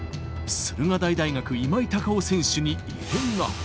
駿河台大学、今井隆生選手に異変が。